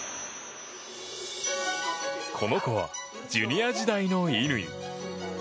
この子は、ジュニア時代の乾。